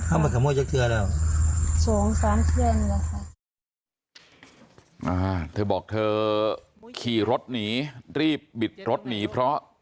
อ่าเธอบอกเธอขี่รถหนีรีบบิดรถหนีเพราะ